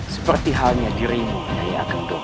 seperti halnya dirimu ayah gendong